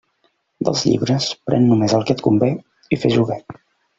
Dels llibres, pren només el que et convé, i fes-ho bé.